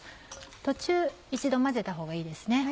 途中一度混ぜたほうがいいですね。